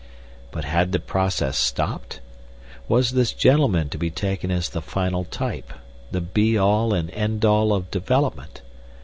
But had the process stopped? Was this gentleman to be taken as the final type the be all and end all of development?